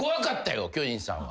巨人さんは。